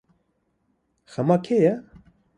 Xema kê ye?